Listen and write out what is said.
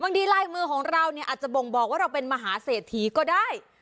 ดีลายมือของเราเนี่ยอาจจะบ่งบอกว่าเราเป็นมหาเศรษฐีก็ได้